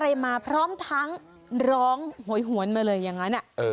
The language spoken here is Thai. อะไรมาพร้อมทั้งร้องโหยหวนมาเลยอย่างนั้น